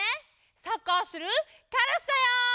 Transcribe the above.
サッカーするカラスだよ！